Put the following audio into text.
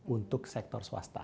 untuk sektor swasta